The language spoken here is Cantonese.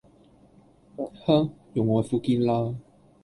啍用愛膚堅啦